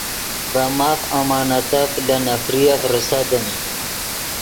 ڤے ماف امانتف لے نفریف ریسیدیم